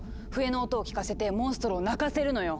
笛の音を聞かせてモンストロを鳴かせるのよ！